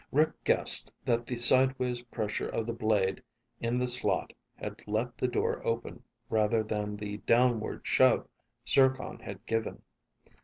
Rick guessed that the sideways pressure of the blade in the slot had let the door open rather than the downward shove Zircon had given.